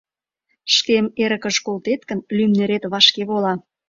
Шкем эрыкыш колтет гын, лӱмнерет вашке вола.